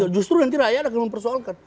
justru nanti rakyat ada yang mempersoalkan